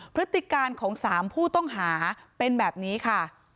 พฤติการของ๓ผู้ต้องหาเป็นแบบนี้ค่ะ